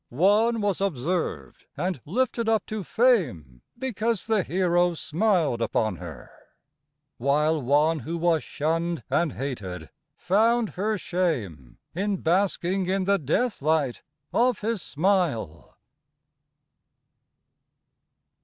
One was observed, and lifted up to fame, Because the hero smiled upon her! while One who was shunned and hated, found her shame In basking in the death light of his smile.